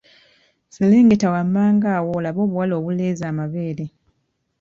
Serengeta wammanga awo olabe obuwala obuleeze amabeere.